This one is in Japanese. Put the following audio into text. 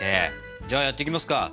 じゃあやっていきますか？